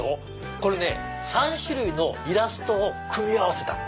これ３種類のイラストを組み合わせたの。